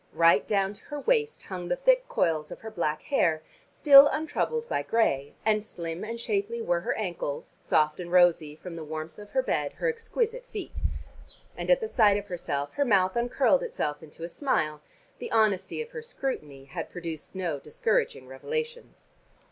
Right down to her waist hung the thick coils of her black hair, still untroubled by gray, and slim and shapely were her ankles, soft and rosy from the warmth of her bed her exquisite feet. And at the sight of herself her mouth uncurled itself into a smile: the honesty of her scrutiny had produced no discouraging revelations.